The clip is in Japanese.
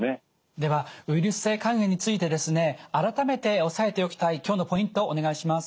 ではウイルス性肝炎についてですね改めて押さえておきたい今日のポイントお願いします。